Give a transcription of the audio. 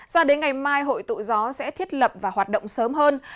sao đến ngày mai hội tụ gió sẽ thiết lập và hoạt động sớm hơn